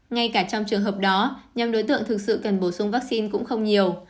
ngay cả trong trường hợp đó nhóm đối tượng thực sự cần bổ sung vaccine cũng không nhiều